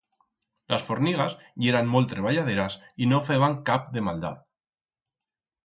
Las fornigas yeran molt treballaderas y no feban cap de maldat.